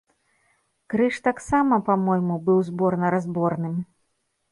Крыж таксама, па-мойму, быў зборна-разборным.